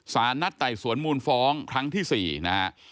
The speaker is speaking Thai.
สารนัดไต่สวนมูลฟ้องครั้งที่๔นะฮะ